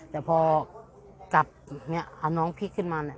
แต่พอจับเนี่ยเอาน้องพลิกขึ้นมาเนี่ย